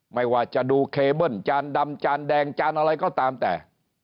ไม่ว่าจะดูเคเบิ้ลจานดำจานแดงจานอะไรก็ตามแต่